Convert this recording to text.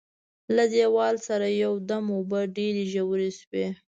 له دیواله سره یو دم اوبه ډېرې ژورې شوې.